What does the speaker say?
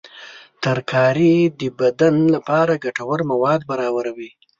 ترکاري د بدن لپاره ګټور مواد برابروي.